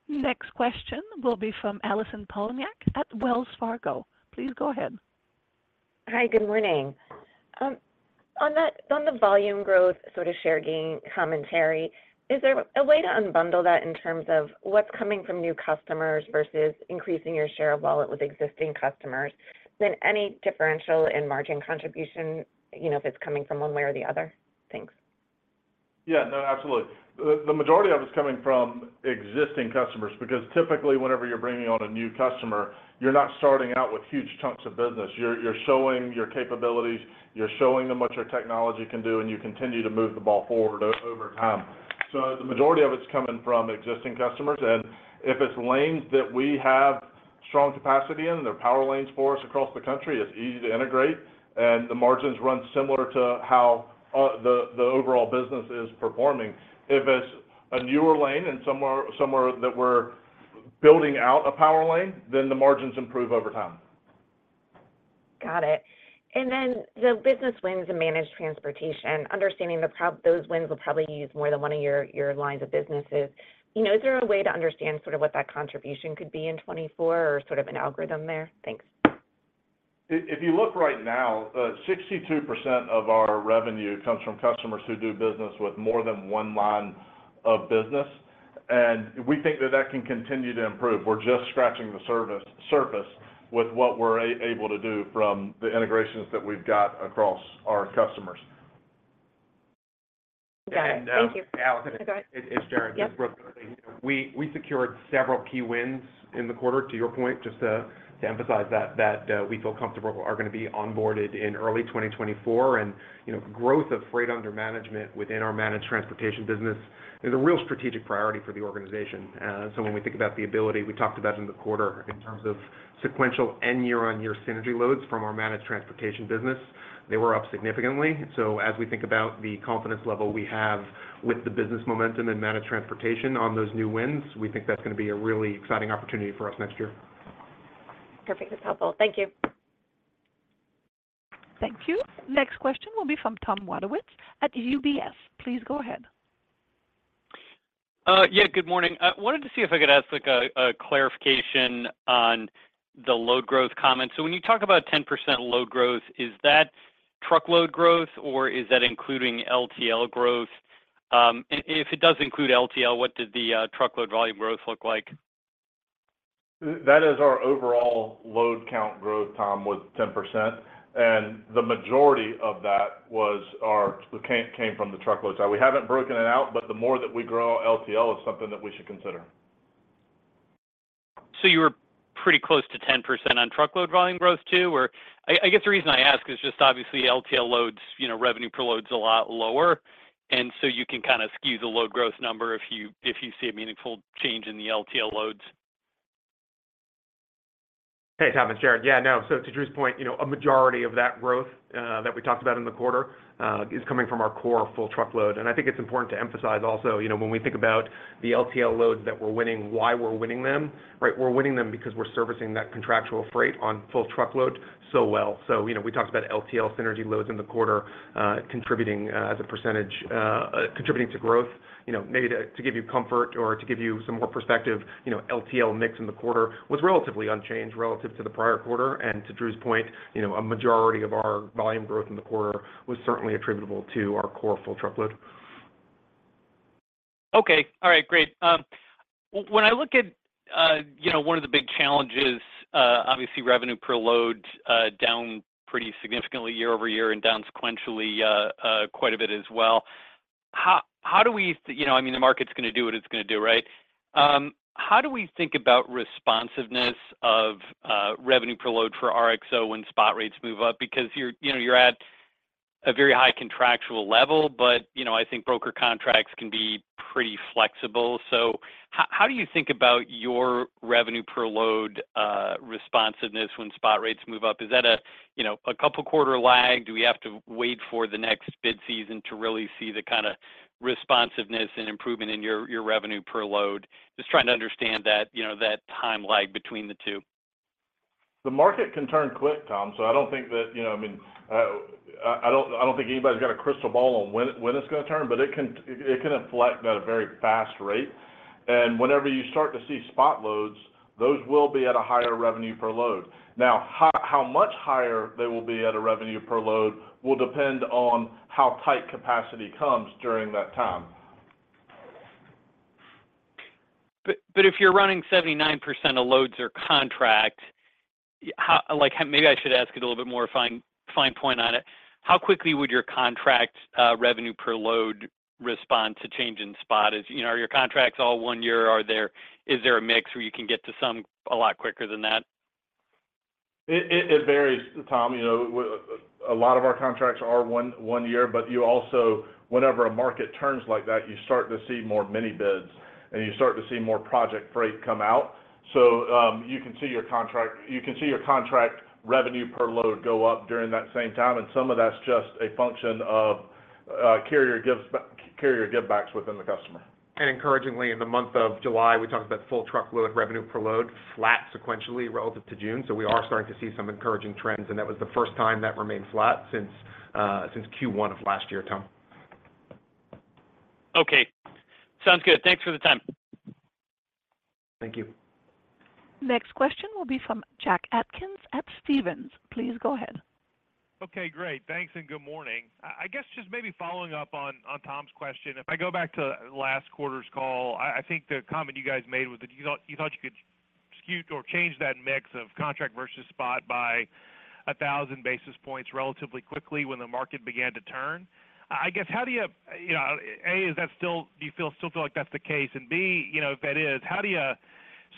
Next question will be from Allison Poliniak at Wells Fargo. Please go ahead. Hi, good morning. On that, on the volume growth, sort of share gain commentary, is there a way to unbundle that in terms of what's coming from new customers versus increasing your share of wallet with existing customers? Any differential in margin contribution, you know, if it's coming from one way or the other? Thanks. Yeah, no, absolutely. The majority of it is coming from existing customers, because typically, whenever you're bringing on a new customer, you're not starting out with huge chunks of business. You're showing your capabilities, you're showing them what your technology can do, and you continue to move the ball forward over time. The majority of it's coming from existing customers, and if it's lanes that we have strong capacity in, they're power lanes for us across the country, it's easy to integrate, and the margins run similar to how the overall business is performing. If it's a newer lane and somewhere, somewhere that we're building out a power lane, then the margins improve over time. Got it. Then the business wins in Managed Transportation, understanding those wins will probably use more than one of your, your lines of businesses. You know, is there a way to understand sort of what that contribution could be in 2024 or sort of an algorithm there? Thanks. If you look right now, 62% of our revenue comes from customers who do business with more than 1 line of business, and we think that that can continue to improve. We're just scratching the service, surface with what we're able to do from the integrations that we've got across our customers. Thank you. Allison, it, it's Jared. Yes. We, we secured several key wins in the quarter, to your point, just to, to emphasize that, that we feel comfortable are going to be onboarded in early 2024. You know, growth of freight under management within our Managed Transportation business is a real strategic priority for the organization. When we think about the ability, we talked about in the quarter in terms of sequential and year-on-year synergy loads from our Managed Transportation business, they were up significantly. As we think about the confidence level we have with the business momentum and Managed Transportation on those new wins, we think that's going to be a really exciting opportunity for us next year. Perfect. That's helpful. Thank you. Thank you. Next question will be from Thomas Wadewitz at UBS. Please go ahead. Yeah, good morning. I wanted to see if I could ask clarification on the load growth comment. When you talk about 10% load growth, is that truckload growth or is that including LTL growth? If it does include LTL, what did the truckload volume growth look like? That is our overall load count growth, Tom, was 10%, and the majority of that was came from the truckload. We haven't broken it out, but the more that we grow LTL is something that we should consider. You were pretty close to 10% on truckload volume growth, too? I guess the reason I ask is just obviously, LTL loads, you know, revenue per load is a lot lower, and so you can kind of skew the load growth number if you, if you see a meaningful change in the LTL loads. Hey, Tom, it's Jared. Yeah, no. To Drew's point, you know, a majority of that growth that we talked about in the quarter is coming from our core full truckload. I think it's important to emphasize also, you know, when we think about the LTL loads that we're winning, why we're winning them, right? We're winning them because we're servicing that contractual freight on full truckload so well. You know, we talked about LTL synergy loads in the quarter contributing as a % contributing to growth. You know, maybe to give you comfort or to give you some more perspective, you know, LTL mix in the quarter was relatively unchanged relative to the prior quarter. To Drew's point, you know, a majority of our volume growth in the quarter was certainly attributable to our core full truckload. Okay. All right, great. When I look at, you know, one of the big challenges, obviously, revenue per load, down pretty significantly year-over-year and down sequentially, quite a bit as well. How, how do we... You know, I mean, the market is going to do what it's going to do, right? How do we think about responsiveness of revenue per load for RXO when spot rates move up? Because you're, you know, you're at a very high contractual level, but, you know, I think broker contracts can be pretty flexible. How, how do you think about your revenue per load responsiveness when spot rates move up? Is that a, you know, a couple of quarter lag? Do we have to wait for the next bid season to really see the kind of responsiveness and improvement in your, your revenue per load? Just trying to understand that, you know, that time lag between the two. The market can turn quick, Tom, I don't think that, you know, I mean, I, I don't, I don't think anybody's got a crystal ball on when it, when it's going to turn, but it can, it can inflect at a very fast rate. Whenever you start to see spot loads, those will be at a higher revenue per load. How, how much higher they will be at a revenue per load will depend on how tight capacity comes during that time. But if you're running 79% of loads or contract, how like, maybe I should ask it a little bit more fine, fine point on it. How quickly would your contract revenue per load respond to change in spot? Is, you know, are your contracts all one year, or is there a mix where you can get to some a lot quicker than that? It, it, it varies, Tom. You know, a lot of our contracts are 1 year, but you also, whenever a market turns like that, you start to see more mini-bids, and you start to see more project freight come out. So, you can see your contract, you can see your contract revenue per load go up during that same time, and some of that's just a function of, carrier give backs within the customer. Encouragingly, in the month of July, we talked about Full Truckload Revenue per load, flat sequentially relative to June. We are starting to see some encouraging trends, and that was the first time that remained flat since since Q1 of last year, Tom. Okay. Sounds good. Thanks for the time. Thank you. Next question will be from Jack Atkins at Stephens. Please go ahead. Okay, great. Thanks, good morning. I guess just maybe following up on Tom's question. If I go back to last quarter's call, I think the comment you guys made was that you thought you could skew or change that mix of contract versus spot by 1,000 basis points relatively quickly when the market began to turn. I guess, how do you, you know, A, is that still feel like that's the case? B, you know, if that is, how do you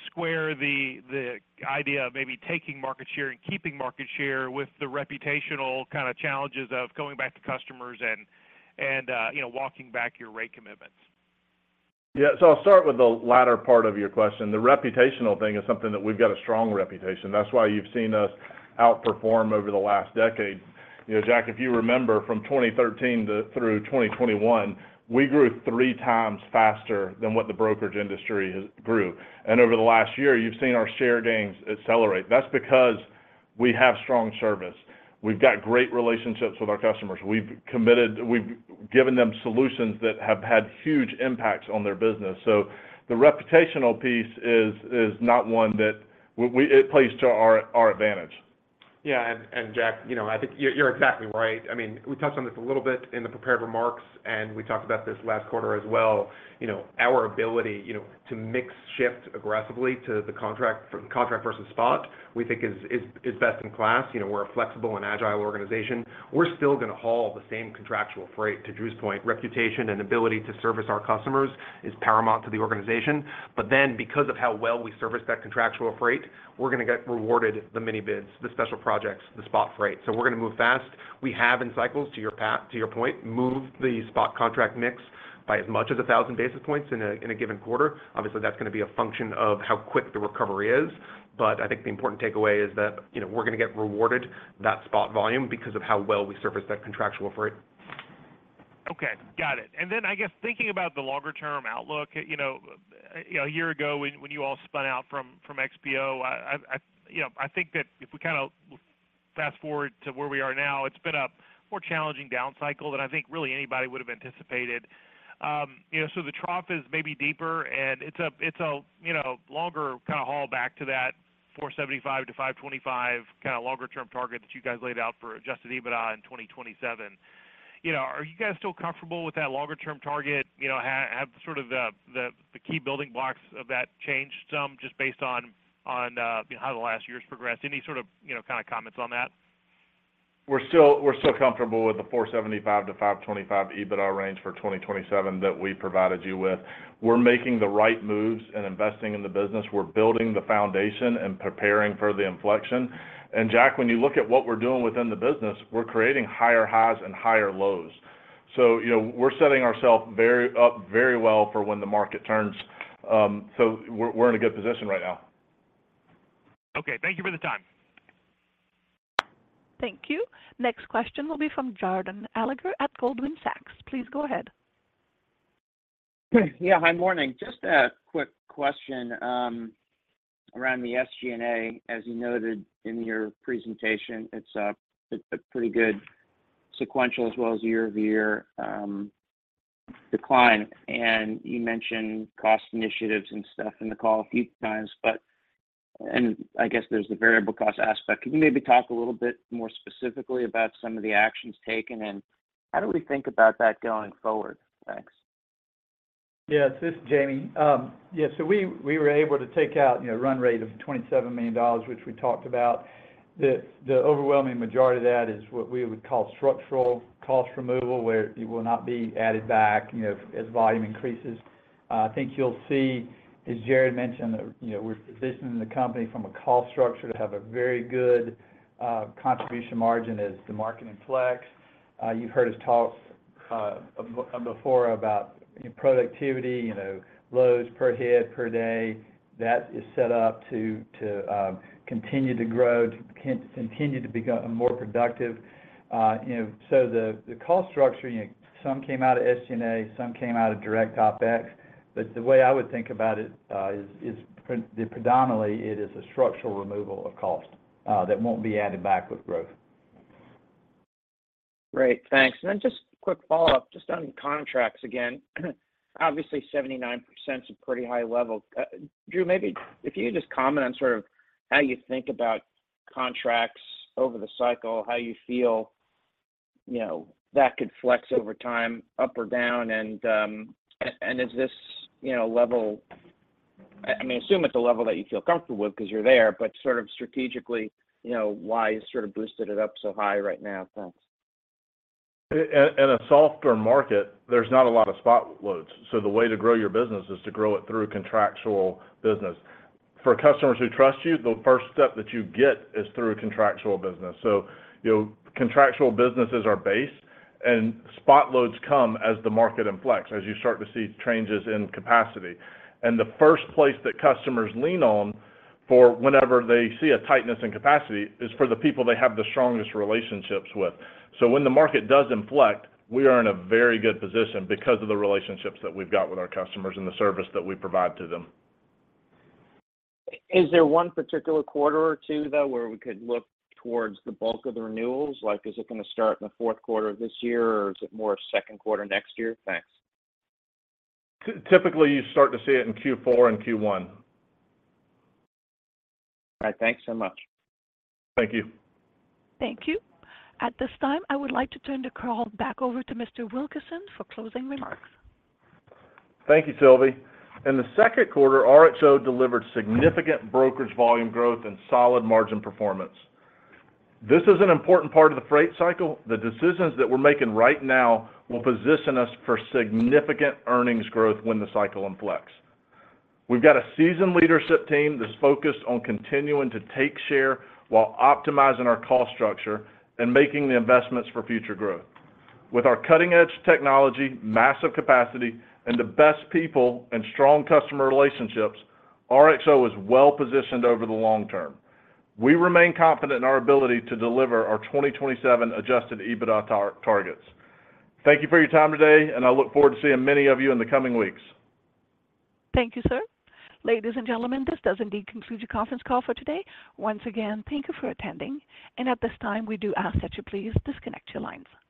square the idea of maybe taking market share and keeping market share with the reputational kind of challenges of going back to customers and, you know, walking back your rate commitments? Yeah. I'll start with the latter part of your question. The reputational thing is something that we've got a strong reputation. That's why you've seen us outperform over the last decade. You know, Jack, if you remember, from 2013 to through 2021, we grew 3x faster than what the brokerage industry has grew. Over the last year, you've seen our share gains accelerate. That's because we have strong service. We've got great relationships with our customers. We've given them solutions that have had huge impacts on their business. The reputational piece is, is not one that we, it plays to our, our advantage. ... Yeah, Jack, you know, I think you're, you're exactly right. I mean, we touched on this a little bit in the prepared remarks, and we talked about this last quarter as well. You know, our ability, you know, to mix shift aggressively to the contract from contract versus spot, we think is, is, is best in class. You know, we're a flexible and agile organization. We're still going to haul the same contractual freight, to Drew's point. Reputation and ability to service our customers is paramount to the organization, but then, because of how well we service that contractual freight, we're going to get rewarded the mini-bids, the special projects, the spot freight. We're going to move fast. We have in cycles, to your point, moved the spot contract mix by as much as 1,000 basis points in a given quarter. Obviously, that's going to be a function of how quick the recovery is, but I think the important takeaway is that, you know, we're going to get rewarded that spot volume because of how well we service that contractual freight. Okay, got it. I guess thinking about the longer term outlook, you know, a year ago, when you all spun out from XPO, you know, I think that if we kind of fast-forward to where we are now, it's been a more challenging down cycle than I think really anybody would have anticipated. You know, the trough is maybe deeper, and it's a, you know, longer kind of haul back to that $475 million-$525 million kind of longer term target that you guys laid out for adjusted EBITDA in 2027. You know, are you guys still comfortable with that longer term target? You know, have sort of the key building blocks of that changed some just based on, you know, how the last year's progressed? Any sort of, you know, kind of comments on that? We're still, we're still comfortable with the $475-$525 EBITDA range for 2027 that we provided you with. We're making the right moves and investing in the business. We're building the foundation and preparing for the inflection. Jack, when you look at what we're doing within the business, we're creating higher highs and higher lows. You know, we're setting ourself very, up very well for when the market turns, so we're, we're in a good position right now. Okay. Thank you for the time. Thank you. Next question will be from Jordan Alliger at Goldman Sachs. Please go ahead. Yeah, hi, morning. Just a quick question, around the SG&A. As you noted in your presentation, it's a, it's a pretty good sequential as well as year-over-year decline, and you mentioned cost initiatives and stuff in the call a few times, but. I guess there's the variable cost aspect. Can you maybe talk a little bit more specifically about some of the actions taken, and how do we think about that going forward? Thanks. Yes, this is Jamie. Yeah, we, we were able to take out, you know, run rate of $27 million, which we talked about. The overwhelming majority of that is what we would call structural cost removal, where it will not be added back, you know, as volume increases. I think you'll see, as Jared mentioned, that, you know, we're positioning the company from a cost structure to have a very good contribution margin as the market inflects. You've heard us talk before about productivity, you know, loads per head per day. That is set up to, to continue to grow, to continue to become more productive. You know, so the cost structure, you know, some came out of SG&A, some came out of direct OpEx. The way I would think about it, predominantly, it is a structural removal of cost that won't be added back with growth. Great, thanks. Then just a quick follow-up, just on contracts again. Obviously, 79% is a pretty high level. Drew, maybe if you could just comment on sort of how you think about contracts over the cycle, how you feel, you know, that could flex over time, up or down, and, and, and is this, you know, level... I, I mean, assume it's a level that you feel comfortable with because you're there, but sort of strategically, you know, why you sort of boosted it up so high right now? Thanks. In a softer market, there's not a lot of spot loads. The way to grow your business is to grow it through contractual business. For customers who trust you, the first step that you get is through contractual business. You know, contractual businesses are base, and spot loads come as the market inflects, as you start to see changes in capacity. The first place that customers lean on for whenever they see a tightness in capacity is for the people they have the strongest relationships with. When the market does inflect, we are in a very good position because of the relationships that we've got with our customers and the service that we provide to them. Is there one particular quarter or two, though, where we could look towards the bulk of the renewals? Like, is it going to start in the fourth quarter of this year, or is it more second quarter next year? Thanks. typically, you start to see it in Q4 and Q1. All right. Thanks so much. Thank you. Thank you. At this time, I would like to turn the call back over to Mr. Wilkerson for closing remarks. Thank you, Sylvie. In the second quarter, RXO delivered significant brokerage volume growth and solid margin performance. This is an important part of the freight cycle. The decisions that we're making right now will position us for significant earnings growth when the cycle inflects. We've got a seasoned leadership team that's focused on continuing to take share while optimizing our cost structure and making the investments for future growth. With our cutting-edge technology, massive capacity, and the best people and strong customer relationships, RXO is well positioned over the long term. We remain confident in our ability to deliver our 2027 adjusted EBITDA targets. Thank you for your time today, and I look forward to seeing many of you in the coming weeks. Thank you, sir. Ladies and gentlemen, this does indeed conclude your conference call for today. Once again, thank you for attending, and at this time, we do ask that you please disconnect your lines.